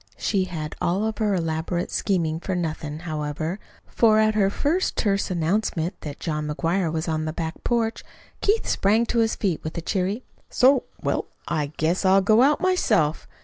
She had all of her elaborate scheming for nothing, however, for at her first terse announcement that John McGuire was on the back porch, Keith sprang to his feet with a cheery: "So? Well, I guess I'll go out myself."